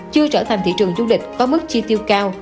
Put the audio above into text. chưa trở thành thị trường du lịch có mức chi tiêu cao